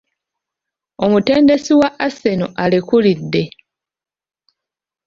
Omutendesi wa Arsenal alekulidde.